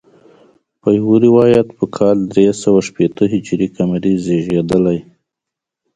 په یو روایت په کال درې سوه شپېته هجري قمري زیږېدلی.